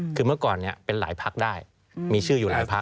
คือเมื่อก่อนเป็นหลายพักได้มีชื่ออยู่หลายพัก